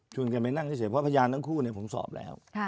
กันไปนั่งเฉยเพราะพยานทั้งคู่ผมสอบแล้ว